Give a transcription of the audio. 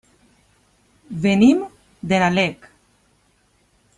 Venim de Nalec.